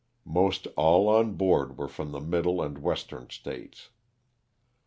Most all on board were from the middle and western States.